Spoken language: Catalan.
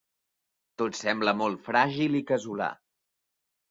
Tot sembla molt fràgil i casolà.